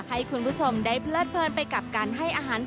ให้คุณผู้ชมได้เพลิดเพลินไปกับการให้อาหาร